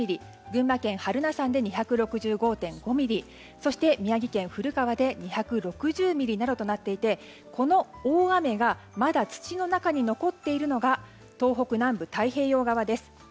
群馬県榛名山で２６５．５ミリそして宮城県古川で２６６ミリとなっていてこの大雨がまだ土の中に残っているのが東北南部、太平洋側です。